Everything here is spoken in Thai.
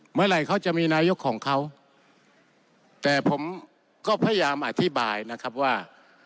เมื่อไหร่เขาจะมีนายกของเขาแต่ผมก็พยายามอธิบายนะครับว่า